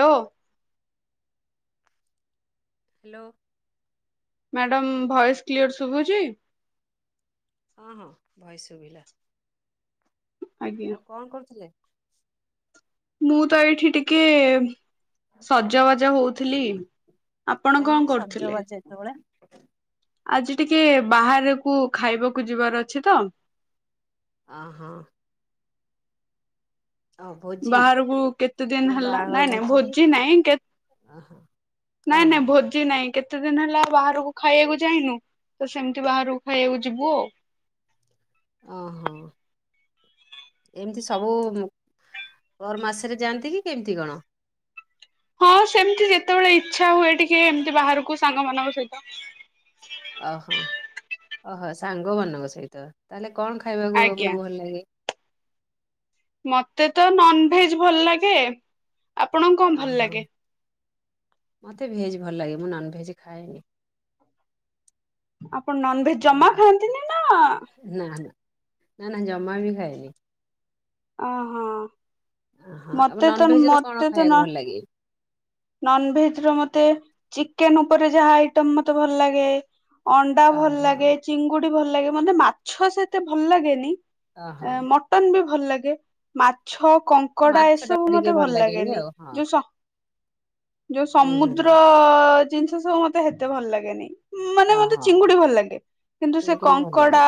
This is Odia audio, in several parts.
ଲୋ ହାଲୋ। [inaudible] ମ୍ୟାଡାମ୍ ଭଏସ୍ କ୍ଲିଅର୍ ଶୁବୁଚି। [inaudible] ହଁ ହଁ ଭଏସ୍ ଶୁବିଲା। ଆଜ୍ଞା ଆଉ କଣ କରୁଥିଲେ। ମୁଁ ତ ଏଇଠି ଟିକେ ସଜବାଜ ହଉଥିଲି ଆପଣ କାହିଁକି କଣ କରୁଥିଲେ। ସଜବାଜ ଯେତେବେଳେ ଆଜି ଟିକେ ବାହାରକୁ ଖାଇବାକୁ ଯିବାର ଅଛି ତ। ଅ ହୋ। ଭୋଜି ବାହାରକୁ କେତେ ମାନେ ଦିନ ହେଲା ବାହାଘର ନାଇଁ ନାଇଁ ଭୋଜି କି ନାଇଁ ଓହୋ ନାଇଁ ଓହୋ ନାଇଁ ଭୋଜି ନାଇଁ କେତେ କେତେ ଦିନ ହେଲା ବାହାରକୁ ଖାଇବାକୁ ଯାଇନୁ ତ ସେମିତି ବାହାରକୁ ଖାଇବାକୁ ଯିବୁ ଆଉ ଓହୋ ଏମତି ସବୁ ପର ମାସରେ ଯାଆନ୍ତି କି କେମିତି କଣ? ହଁ ସେମିତି ଯେତେବେଳେ ଇଚ୍ଛା ହୁଏ ଟିକେ ଏମତି ବାହାରକୁ ସାଙ୍ଗ ମାନଙ୍କ ସହିତ। ଓହୋ ଓହୋ ସାଙ୍ଗମାନଙ୍କ ସହିତ ତାହେଲେ କଣ ଖାଇବାକୁ ଆଜ୍ଞା ଆପଣଙ୍କୁ ଭଲ ଲାଗେ? ମତେ ତ ନନ ଭେଜ ଭଲ ଲାଗେ ଆପଣଙ୍କୁ କଣ ଭଲ ଓହୋ ଲାଗେ? ମତେ ଭେଜ ଭଲ ଲାଗେ ମୁଁ ନନ ଭେଜ ଖାଏନି। ଆପଣ ନନଭେଜ ଜମା ଖାଆନ୍ତିନି ନା? ନା ନା ନା ନା ଜମା ବି ଖାଇନି। ଓ ହଁ। ଓହୋ ଆଉ ମତେ ତ ନନଭେଜ ର କଣ ମତେ ତ ଖାଇବାକୁ ନ ଭଲ ଲାଗେ? ନନଭେଜ ର ମତେ ଚିକେନ ଉପରେ ଯାହା ଆଇଟମ ମତେ ଭଲ ଲାଗେ। ଅଣ୍ଡା ଭଲ ଓହୋ ଲାଗେ ଚିଙ୍ଗୁଡି ଭଲ ଲାଗେ ମତେ ମାଛ ସେ ଏତେ ଭଲ ଲାଗେନି ଓହୋ ଆ ମଟନ୍ ବି ଭଲ ଲା ରେ ମାଛ କଙ୍କଡା ମାଛ ଟା ଏସବୁ ଟିକେ ମତେ ଭଲ ଲାଗେନି ଆଉ ହଁ ଯୋଉ ଯୋଉ ଉୁଁ ହୁଁ ସମୁଦ୍ର ଜିନିଷ ସବୁ ମତେ ହେତେ ଭଲ ଲାଗେନି। ମାନେ ମତେ ଅହୋ ଚିଙ୍ଗୁଡି ଭଲ ଲାଗେ କିନ୍ତୁ ସେ ଚିଙ୍ଗୁଡି ଭଲ କଙ୍କଡା ଲାଗେ।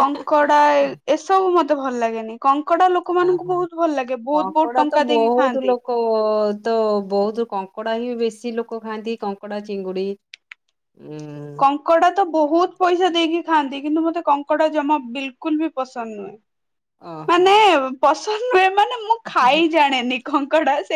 କଙ୍କଡା ଏସବୁ ମଧ୍ୟ ତ ଭଲ ଲାଗେନି। କଙ୍କଡା ଲୋକମାନଙ୍କୁ ଆହୋ ବହୁତ ଭଲ ଲାଗେ ବହୁତ ବହୁତ କଙ୍କଡା ତ ଟଙ୍କା ଦେଇକି ବହୁତ ଖାଆନ୍ତି ଲୋକ ତ ବହୁତ କଙ୍କଡା ହିଁ ବେଶୀ କିଛି ଲୋକ ଖାଆନ୍ତି କଙ୍କଡା ଚିଙ୍ଗୁଡି ଉ କଙ୍କଡ଼ା ତ ବହୁତ ପଇସା ଦେଇକି ଖାଆନ୍ତି କିନ୍ତୁ ମତେ କଙ୍କଡା ଜମା ବିଲକୁଲ ବି ପସନ୍ଦ ନୁହେଁ। ଓହୋ ମାନେ ପସ ସନ୍ଦ ନୁହେଁ ମୁଁ ଖାଇ ଜାଣେନି। କଙ୍କଡ଼ାସ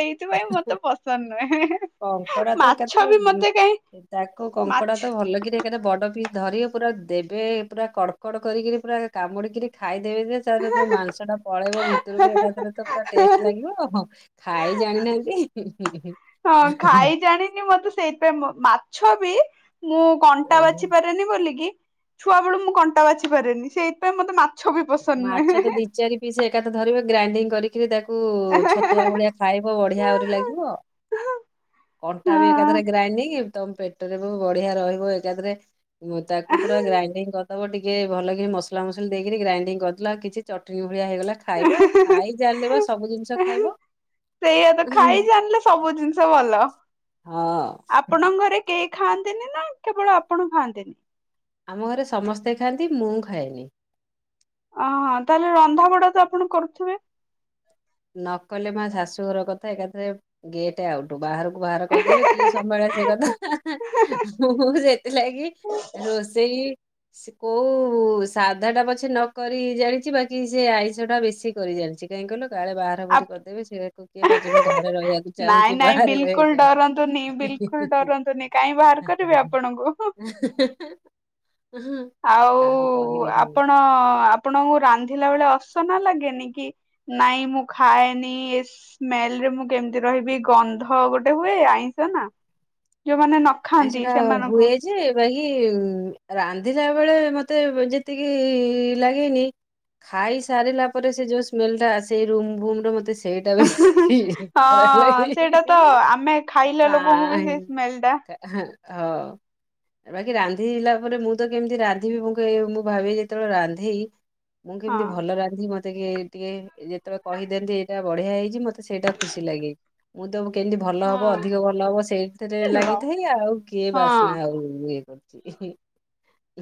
କଙ୍କଡା ତ ମାଛ ବି ଏକାଥରେ ମତେ କାହିଁ ତାକୁ କଙ୍କଡା ମାଛ ତ ଭଲ କିରି ଏକାଥ ବଡ ପି ଧରିବ ପୁରା ଦେବେ ପୁରା କଡ଼କଡ କରିକିରି ପୁରା କାମୁଡିକିରି ଖାଇ ଦେବେ ଯେ ତାର ଯୋଉ ମାଂସ ଟା ପଳେଇବ ଭିତରକୁ ଏକାଥରେ ତ ପୁରା ଟେଷ୍ଟ କି ଲାଗିବଁ ହଁ ଖାଇ ଜାଣିନାହାନ୍ତି ହୁଁ ହୁଁ ହଁ ଖାଇ ଜାଣିନି ମତେ ସେଇଥିପାଇଁ ମାଛ ଥବି ମୁଁ କଣ୍ଟା ଓହୋ ବାଛି ପାରେନି ବୋଲିକି ଛୁଆବେଳୁ ମୁଁ କଣ୍ଟା ବାଛି ପାରେନି ସେଇଥିପାଇଁ ମତେ ମା ମାଛ ତ ଦି ଚାରି ପିସ୍ ଏକାଥରେ ଧରିବ ଗ୍ରାଇଣ୍ଡିଙ୍ଗ୍ କରି ଟିକେ ଦେଖ୍ କୁ ଛତୁଆ ଭଳିଆ ଖାଇବ ବଢ଼ିଆ ଆହୁରି ଲାଗିବ କଣ୍ଟା ବି ହଁ। ଏକାଥରେ ଗ୍ରାଇଣ୍ଡିଙ୍ଗି ତମ ପେଟରେ ବି ବଢିଆ ରହିବ ଏକାଥରେ ତାକୁ ପୁରା ଗ୍ରାଇଣ୍ଡିଙ୍ଗ୍ କରିଦବ ଟିକେ ଭଲକି ମସଲାମସଲି ଦେଇକିରି ଗ୍ରାଇଡିଙ୍ଗ୍ ଗଦଲା କିଛି ଚଟନ୍ ଭଳିିଆ ହେଇଗଲା ଖାଇବ ଖାଇ ଚାଲିବା ସବୁ ଜିନିଷ ଖାଇବ ସେଇଆ ତ ହଁ ଆପଣଙ୍କଘରେ କେ ଖାଆନ୍ତିନି ନା କେବଳ ଆପଣ ଖାଆନ୍ତିନି? ଆମ ଘରେ ସମସ୍ତେ ଖାଆନ୍ତି ମୁଁ ଖାଏନି। ଅଁଅଁ ତାହେଲେ ରନ୍ଧାବଢା ତ ଆପଣ କରୁଥିବେ? ନ କଲେ ମାଆ ଶାଶୁଘର କଥା ଏକାଥରେ ଗେଟ୍ ଆଉଟ୍ ବାହାର ବାହାର କରିଦେବେ କିଏ ସମ୍ଭାଳେ ସେ କଥା ମୁଁ ସେଥିଲାଗି ରୋଷେଇ ସେ କୋଉଉଉ ସାଧାଟା ପଛେ ନ କରି ଜାଣିଛି ବାକି ସେ ଆଇଁଷଟା ବେଶୀ କରି ଜାଣିଛି କାଇଁ କହିଲ? କାଳେ ବାହାର ବୁହୁରି କରିଦେବେ ସେଇଆକୁ କିଏ [unintelligible] ମୁଁ ଘରେ ରହିବାକୁ ନାଇଁ ଚାହୁଁଛି ନାଇଁ ବାହାରେ ରହିବାକୁ ବିଲକୁଲ ଚାଁହୁନି ଡରନ୍ତୁନି ହିଁ ହିଁ ବିଲକୁଲ ହିଁ ଡରନ୍ତୁନି କାହିଁ ବାହାର ହାଁ କରିବେ ଆପଣଙ୍କୁ। ହାଁ ହାଁ ଆଉଉ ଆପଣ ଆପଣଙ୍କୁ ରାନ୍ଧିଲା ବେଳେ ଅସ୍ ଅସନା ଲାଗେନି କି? ନାଇଁ ମୁଁ ଖାଏନି ଏ ସ୍ମେଲରେ ମୁଁ କେମିତି ରହିବି ଗନ୍ଧ ଗୋଟେ ହୁଏ ଆଇଁଷ ନା ଯୋଉମାନେ ନ ଖାଆନ୍ତି ଆଇଁଷଟା ହୁଏ ସେମାନଙ୍କୁ ଯେ ବାଇ କି ରାନ୍ଧିଲା ବେଳେ ମତେ ଯେତିକିଇଇ ଲାଗେନି ଖାଇ ସାରିଲା ପରେ ସେ ଯୋଉ ସ୍ମେଲଟା ଆସେ ସେଇ ରୁମଭୁମରୁ ମତେ ସେଇଟା ହଁହଁହଁ ବେଶୀ ଖରାପ ଲାଗେ। ହଁଅ ସେଇଟା ତ ଆମେ ଖାଇଲେ ଲୋକଙ୍କୁ ବି ପ୍ରାୟ ସେ ସ୍ମେଲଟା ହଁ ହଅଅ ବାକି ରାନ୍ଧିଲା ପରେ ମୁଁ ତ କେମିତି ରାନ୍ଧିବି ମୁଁ‌ କହି ମୁଁ ଭାବି ଯେତେବେଳେ ରାନ୍ଧି ମୁଁ କେମିତି ହଁ ଭଲ ରାନ୍ଧି ମତ୍ ଟିକେ ଟିକେ ଯେତେବେଳେ କହିଦିନ୍ତି ଏଇଟା ବଢିଆ ହେଇଛି ମତେ ସେଇଟା ଖୁସି ଲାଗେ ମୁଁ ତ କେମତି ଭଲ ହବ ଅଧିକ ହଁ। ଭଲ ହବ ସେଇଥିରେ ଲାଗି [unintelligible] ଆଉ କିଏ ହଁ ବାସନା ଆଉ ଇଏ କର୍।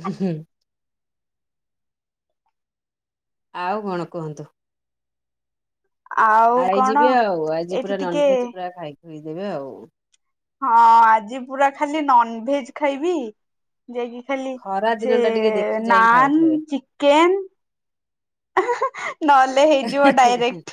ହୁଁ ହୁଁ ଆଉ କଣ କୁହନ୍ତୁ? ଆଉ ଆଇ କଣ ଯିବେ ଆଉ ଆଜି ଏଇଠି ପୁରା ଟିକେ ନନଭେଜ୍ ପୁରା ଖାଇ ଧୋଇଦେବେ ଆଉ ହଁଅଅ ଆଜି ପୁରା ଖାଲି ନନଭେଜ୍ ଖାଇବି। ଯାଇକି ଖାଲି ଖରା ସେ ଦିନ ଟା ଟିକେ ଦେଖି ଯାଇ ନାନ୍ ଖାଉଥିବେ। ଚିକେନ୍ [unintelligible] [unintelligible]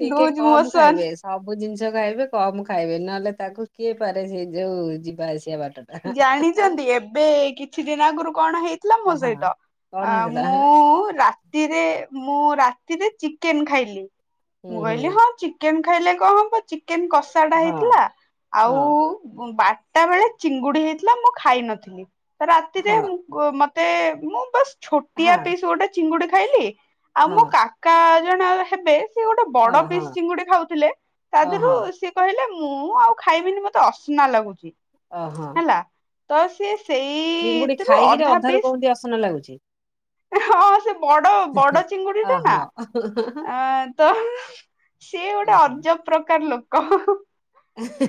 ଟିକେ ଲୁଜ କମ ଖାଇବେ ମୋସନ ସବୁ ଜିନିଷ ଯାହା ଖାଇବେ କମ ଖାଇବେ ନହେଲେ ତାକୁ କିଏ ପାରେ ସେ ଯୋଉ ଯିବା ଆସିବା ବା ଜାଣିଛନ୍ତି ଏବେ କିଛି ଦିନ ଆଗରୁ କଣ ହେଇଥିଲା ମୋ ହଁ ସହିତ କଣ ହେଇଥିଲା ମୁଁ ରାତିରେ ମୁଁ ରାତିରେ ଚିକେନ ଖାଇଲି ହୁଁ ମୁଁ ହୁଁ କହିଲି ହଁ ଚିକେନ ଖାଇଲେ କଣ ହବ? ଚିକେନ କଷାଟା ହଁ ହେଇଥିଲା ହଁ ଆଉ ଟାବେଳେ ଚିଙ୍ଗୁଡି ହେଇଥିଲା ମୁଁ ଖାଇ ନଥିଲି। ତ ରାତି ରେ ତେ ମୁଁ ବସ୍ ହଁ ଛୋଟିଆ ହଁ ପିସ୍ ଗୋଟେ ଚିଙ୍ଗୁଡ଼ି ଖାଇଲି ଆଉ ମୋ ହଁ କାକା ଜଣ ହେବେ ସେ ଗୋଟେ ହଁ ବଡ ହଁ ପିସ୍ ଚିଙ୍ଗୁଡି ଖାଉଥିଲେ ତା ଓହୋ ଦେହରୁ ସିଏ କହିଲେ ମୁଁ ଆଉ ଖାଇବିନି ମତେ ଅସନା ଲାଗୁଛି। ଅ ହୋ ହେଲା। ତ ସେ ଚିଙ୍ଗୁଡି ଖାଇକିରି ଅଧାରୁ କେମତି ଅସନା ଲାଗୁଛି। ହଁ ସେ ବଡ ବଡ ଚିଙ୍ଗୁଡି ଟା ଓହୋ ନା ତ ସିଏ ଗୋଟେ ଅଜବ ପ୍ରକାର ଲୋକ କ [unintelligible]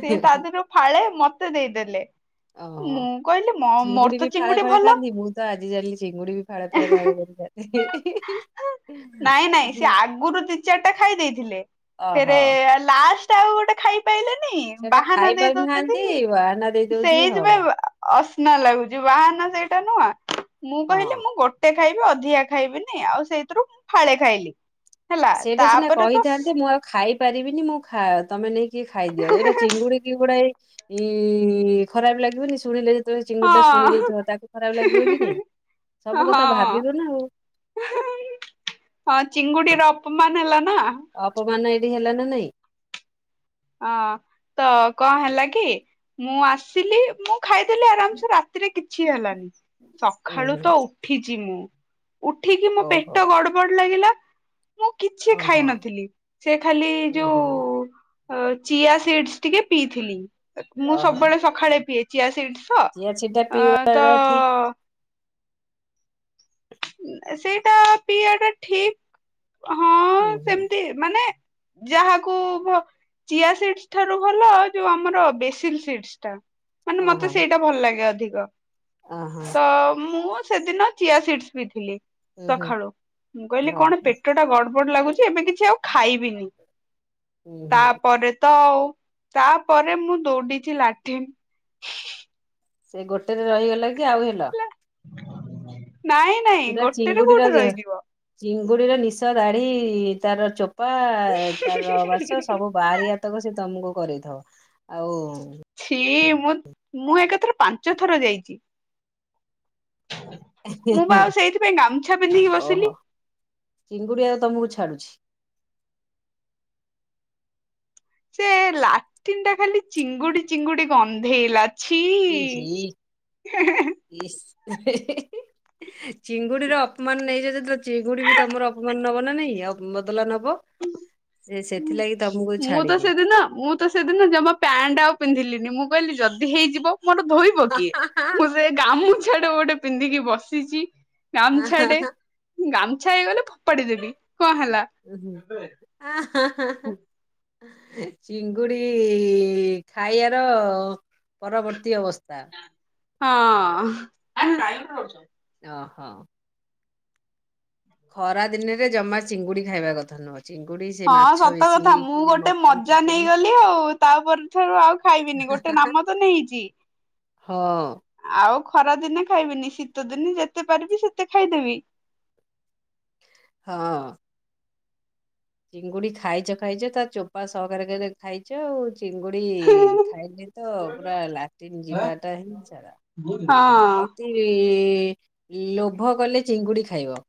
ସିଏ ତା ଦେହରୁ ଫାଳେ ମତେ ଦେଇଦେଲେ ଓହୋ ମୁଁ କହିଲି ମୋର୍ ତ ବି ଫାଳେ ଚିଙ୍ଗୁଡି ଫାଳେ ଭଲ ଖାଆନ୍ତି ମୁଁ ତ ଆଜି ଜାଣିଲି ଚିଙ୍ଗୁଡି ବି ଫାଳେ ଫାଳେ ଭାଗ [unintelligible] କରି ଖାଆନ୍ତି ନାଇଁ ନାଇଁ ସେ ଆଗରୁ ଦି ଚାରି ଟା ଖାଇ ଦେଇଥିଲେ ଫେରେ ଲାଷ୍ଟ ଆଉ ଗୋଟେ ଖାଇ ପାଇଲେନି ସେଟା ବାହାନା ଦେଇ ଖାଇପାରୁ ନାହାନ୍ତି ଦଉଛନ୍ତି। ନା ସେଇଥିପାଇଁ ଅସ୍ ନାଁ ଲାଗୁଛି ବାହାନ ସେଇଟା ନୁହଁ। ମୁଁ କହିଲି ହଁ। ମୁଁ ଗୋଟେ ଖାଇବି ଅଧିକା ଖାଇବିନି ଆଉ ସେଇଥିରୁ ମୁଁ ଫାଳେ ଖାଇଲି ହେଲା ସେଇଟା ସିନା ତାପରେ ତ କହିଥାନ୍ତେ ମୁଁ ଆଉ ଖାଇପାରିବିନି ମୁଁ ଖା ତମେ ନେଇକି ଖାଇଦିଅ ଏଇଟା ଚିଙ୍ଗୁଡିକି ଗୁଡାଏ ଏ ଖରାପ ଲାଗିବନି ଶୁଣିଲେ। ଯେତେବେଳେ ଚିଙ୍ଗୁଡି ଟା ଶୁଣି ହଁ ଦେଇଥିବ ତାକୁ ଖରାପ ଲାଗିବ କି ନାଇଁ। ସବୁ ହଁ କଥା ଭାବିବ ନା ଆଉ ହଁ ଚିଙ୍ଗୁଡିର ଖୁମାନ ହେଲା। ନା ଆପମାନ ହେଲା ନା ନାଇଁ। [inaudible] ହଁ ତ କଣ ହେଲା କି ମୁଁ ଆସିଲି। ମୁଁ ଖାଇଦେଲି ଆରାମ ସେ ରାତିରେ କିଛି ହେଲାନି। ଉଁ ସକାଳୁ ହୁଁ ତ ଉଠିଚି ମୁଁ। ଉଠିକି ମୋ ଓହୋ। ପେଟ ଗଡ ବଡ ଲାଗିଲା। ମୁଁ କିଛି ଖାଇ ଓହୋ ନଥିଲି। ସେ ଖାଲି ହୁଁ ଯୋଉ ହୁଁ ହଁ ଚିଆ ସିଡ୍ସ୍ ଟିକେ ପିଇଥିଲି। ମୁଁ ଓହୋ ସବୁବେଳେ ସଖାଳେ ପିଏ। ଚିଆ ସିଡ୍ସ୍ ହଁ ଚିଆ ସିଡା ଅ ତ ପିଇବା ଠିକ ସେଇଟା ପିଇବାଟା ଠିକ। ହଁ ହୁଁ ହୁଁ। ସେମତି ମାନେ ଯାହାକୁ ଚିଆ ସିଡ୍ସ୍ ଠାରୁ ଭଲ ଯୋଉ ଆମର ବେସିଲ୍ ସିଡ୍ସ୍ ଟା। ମାନେ ମତେ ଓହୋ ସେଇଟା ଭଲ ଲାଗେ ଅଧି ର ଓହୋ [inaudible] ତ ମୁଁ ସେଦିନ ଚିଆସିଡ୍ସ୍ ପିଇଥିଲି। ଉଁ ହୁଁ ସଖାଳୁ ମୁଁ କହିଲି ହଁ କଣ ପେଟଟା ଗଡ ଗଡବଡ ଲାଗୁଛି ଏବେ କିଛି ଆଉ ଖାଇବିନି। ଉଁ ହୁଁ। ତାପରେ ତ ଆଉ। ତାପରେ ମୁଁ ଦୌଡିଛି ଲାଟିନ। [inaudible] ସେ ଗୋଟେରେ ରହିଗଲା କି। କି ଆଉ ହେଲା। [unintelligible] ନାଇଁ ନାଇଁ ଗୋଟେରେ କୋଉଠି ରହିଯିବ। ଚିଙ୍ଗୁଡ଼ିର ନିଶ ଦାଢି ତାର ଚୋ ପା ତାର ମାସ ସବୁ ବାହାରି ଆତକୁ ସେ ତମକୁ କରିଥାଉ ଆଉ ମୁ ମୁଁ ଏକାଥର ପାଞ୍ଚ ଥର ଯାଇଛି। ମୁଁ ବା ଆଉ ସେଇଥିପାଇଁ ଗାମୁଛା ପିନ୍ଧିକି ବସିଲି। ଓହୋ ଚିଙ୍ଗୁଡି ଆଉ [inaudible] ସେ ଲାଟିନ୍ ଟା ଖାଲି ଚିଙ୍ଗୁଡି ଚିଙ୍ଗୁଡି ଗନ୍ଧେଇଲାଛି। ଛି ଛି ଇସ୍ ଚିଙ୍ଗୁଡିର ଅପମାନ ନେଇଚ ଯେତେବେଳେ ଚିଙ୍ଗୁଡି ବି ତମର ଅପମାନ ନବ ନା ନାଇଁ ବଦଲା ନବ ସେ ସେଥିଲାଗି ତମକୁ ମୁଁ ତ ଛାଡିନି। ସେଦିନ ମୁଁ ତ ସେଦିନ ଜମା ପ୍ୟାଣ୍ଟ ଆଉ ପିନ୍ଧିଲିନି ମୁଁ କହିଲି ଯଦି ହେଇଯିବ। ମୋର ଧୋଇବ କିଏ ମୁଁ ସେ ଗାମୁକ ଆଡେ ଗୋଟେ ପିନ୍ଧିକି ବସିଛି। ଗାମଛାଡେ ଗାମ ଛା ହେଇଗଲେ ଫୋପାଡ଼ିଦେବି। [unintelligible] ହୁଁ। ଚିଙ୍ଗୁଡ଼ି ଇ ଖାଇବାର ପରବର୍ତ୍ତୀ ଅବସ୍ତା ହଁ। ଅ ହ। ଖରା ଦିନେରେ ଜମା ଚିଙ୍ଗୁଡି ଖାଇବା କଥା ନୁହଁ। ଚିଙ୍ଗୁଡି ସେ ହଁ ମାଛ ସତ କଥା ବେଶୀ ମୁଁ କି ଗୋଟେ ମଟନ ମଜା ଚିକେନ ନେଇଗଲି ଆଉ ତାପରେ ଠାରୁ ଆଉ ଖାଇବିନି ଗୋଟେ ନାମ ତ ନେଇଚି। ହଁ। ଆଉ ଖରା ଦିନେ ଖାଇବିନି ଶୀତ ଦିନେ ଯେତେ ପାରିବି ସେତେ ଖାଇଦେବି। ହଁ। ଚିଙ୍ଗୁଡି ଖାଇଚ ଖାଇଚ ତା ଚୋପା ସହକାର କେ ଖାଇଛ ଆଉ। ଚିଙ୍ଗୁଡି ହଁ। ଖାଇଲେ ତ ପୁରା ଲାଟିନ୍ ଯିବାଟା ହିଁ ସାରା। ଅତି ଲୋଭ କଲେ ଚିଙ୍ଗୁଡି ଖାଇବ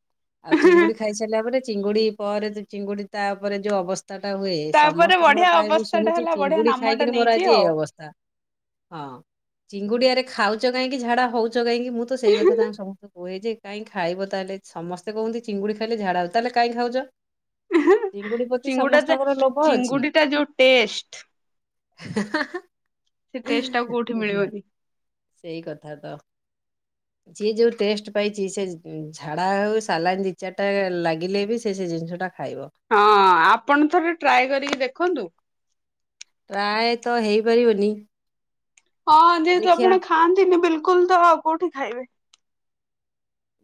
ଆଉ ଚିଙ୍ଗୁଡି ଖାଇସାରିଲା ପରେ ଚିଙ୍ଗୁଡି ପରେ ଚିଙ୍ଗୁଡି ତା ପରେ ଯୋଉ ଅବସ୍ ତା ଟା ହୁଏ ତାପରେ ସମସ୍ତଙ୍କର ବଢିଆ ପ୍ରାୟ ମୁଁ ଅବସ୍ଥା ଟା ଶୁଣିଛି ହେଲା ବଢିଆ ଚିଙ୍ଗୁଡି ନାମ ଟା ଖାଇକରି ମୋର ନେଇଛି ଆଜି ଏଇ ଆଉ। ଅବସ୍ତା ହଁ। ଚିଙ୍ଗୁଡିଆରେ ଖାଉଚ କାହିଁକି ଝାଡା ଚ କାଇଁକି ମୁଁ ତ ସେଇ କଥା ତଁ ସମସ୍ତ କୁହେ ଯେ କାଇହିଁ ଖାଇବ ତାହେଲେ ସମସ୍ତେ କୁହନ୍ତିି ଚିଙ୍ଗୁଡ଼ି ଖାଇଲେ ଝାଡ଼ା ତାହେଲେ କାଇଁ ଖାଉଚ? ଚିଙ୍ଗୁଡି ଲୋଭ ଅଛି। ଚିଙ୍ଗୁଡି ଟା ଯୋଉ ଟେଷ୍ଟ [unintelligible] ସେ ଟେଷ୍ଟ୍ ଆଉ କୋଉଠି ମିଳିବନି। ସେଇ କଥା ତ ସିଏ ଯୋଉ ଟେଷ୍ଟ୍ ପାଇଚି ସେ ଝାଡ଼ା ହୋଉ ସାଲାନ୍ ଦି ଚାର୍ ଟା ଲାଗିଲେ ବି ସି ସେ ଜିନ୍ଷଟା ହଁ ଆପଣ ଥରେ ଟ୍ରାଏ କରିକି ଦେଖନ୍ତୁ। ପ୍ରାୟ ତ ହେଇପାରିବନି। ହଁ ଯେହେତୁ ଦେଖିଆ ଆପଣ ଖାଆନ୍ତିନି ବିଲ୍ କୁଲ୍ ତ ଆଉ କୋଉଠି ଖାଇବେ?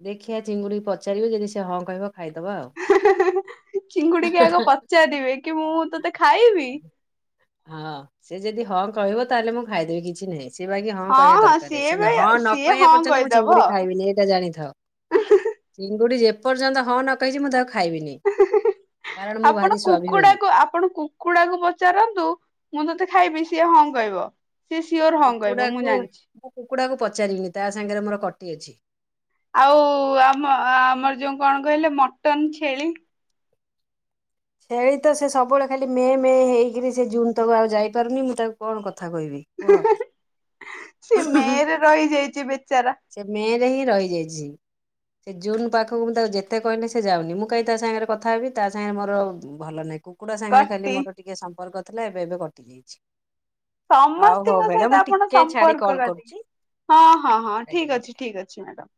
ଦେଖିିଆ ଚିଙ୍ଗୁଡି ପଚାରିବେ ଯଦି ସେ ହଁ କହିବ ଖାଇଦବା ଚିଙ୍ଗୁଡିକି ଆଉ। ଆଗ ପଚାରିବେ କି ମୁଁ ତତେ ଖାଇବି। ହଁ ସେ ଯଦି ହଁ କହିବ ତାହେଲେ ମୁଁ ଖାଇଦେବି କିଛି ନାହିଁ। ସେ ବାକି ହଁ କହିବା ଦରକାର ସିଏ ସେ ବି ହଁ ନ ସିଏ କହିବା ହଁ ପର୍ଯ୍ୟନ୍ତ ମୁଁ କହିଦବ। ଚିଙ୍ଗୁଡି ଖାଇବିନି ଏଇଟା ଜାଣିଥା ଚିଙ୍ଗୁଡି ପର୍ଯ୍ୟନ୍ତ ହଁ ନା କହିଛି ମୁଁ ତାକୁ ଖାଇବିନି କାରଣ ମୁଁ ଭାରି ଆପଣ କୁକୁଡା ସ୍ୱାଭିମାନୀ କ ଆପଣ କୁକୁଡାକୁ ପଚାରନ୍ତୁ ମୁଁ ତତେ ଖାଇବି ସିଏ ହଁ କହିବ। ସିଏ ସିଓର ହଁ କହିବ କୁକୁଡା କୁ ଜାଣିଛି। ମୁଁ କୁକୁଡା କୁ ପଚାରିବିନି ତା ସାଙ୍ଗରେ ମୋର କଟି ଅଛି। ଆଉ ଆମ ଆମର ଯୋଉ କଣ କହିଲେ ମଟନ ଛେଳି ଛେଳି ତ ସେ ସବୁବେଳେ ଖାଲି ମେ ମେ ହେଇକିରି ସେ ଜୁନ ତକୁ ଆଉ ଯାଇପାରୁନି ମୁଁ ତାକୁ କଣ କଥା କହିବି କୁହ ସେ ମେରେ ରହିଯାଇଛି ବେଚାରା ସେ ମେ ହିଁ ରହିଯାଇଛି ସେ ଜୁନ ପାଖକୁ ମୁଁ ତାକୁ ଯେତେ କହିଲେ ସେ ଯାଉନି ମୁଁ କାହି ତା ସାଙ୍ଗରେ କଥା ହେବି ତା ସାଙ୍ଗରେ ମୋର ଭଲ ନାଇଁ କୁକୁଡ଼ା ସାଙ୍ଗରେ ଖାଲି କଟି ମୋର ଟିକେ ସମ୍ପର୍କ ଥିଲା ଏବେ ଏବେ କଟି ଯାଇଛି। ହଉ ହଉ ସମସ୍ତିଙ୍କ ମ୍ୟାଡ଼ାମ ସହିତ ମୁଁ ଆପଣ ଟିକେ ଛାଡି ସମ୍ପର୍କ କଲ୍ ରାତି କରୁଛି ହଁ ହଁ ହଁ ଆଜ୍ଞା। ଠିକ ଅଛି ଠିକ ଅଛି ମ୍ୟାଡାମ